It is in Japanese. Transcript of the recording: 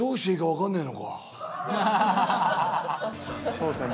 そうですね。